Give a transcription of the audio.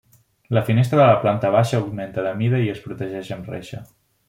La finestra de la planta baixa augmenta de mida i es protegeix amb reixa.